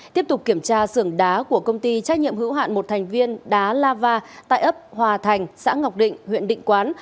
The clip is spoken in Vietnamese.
tiếp tục kiểm tra sườn đá của công ty trách nhiệm hữu hạn một thành viên đá lava tại ấp hòa thành xã ngọc định huyện định quán